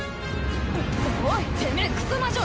おいてめぇクソ魔女！